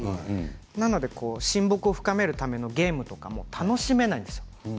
だから親睦を深めるためのゲームとかも楽しめないんですよ。